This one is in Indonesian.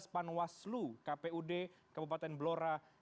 dua belas pak waslo kpud kabupaten blora jawa tengah